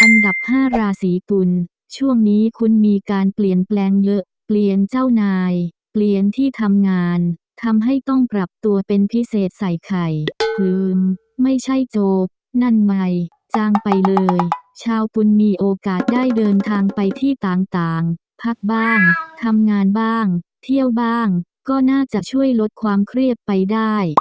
อันดับ๕ราศีกุลช่วงนี้คุณมีการเปลี่ยนแปลงเยอะเปลี่ยนเจ้านายเปลี่ยนที่ทำงานทำให้ต้องปรับตัวเป็นพิเศษใส่ไข่คือไม่ใช่โจนั่นใหม่จ้างไปเลยชาวกุลมีโอกาสได้เดินทางไปที่ต่างพักบ้างทำงานบ้างเที่ยวบ้างก็น่าจะช่วยลดความเครียดไปได้